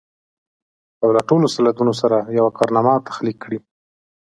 او له ټولو سندونو سره يوه کارنامه تخليق کړي.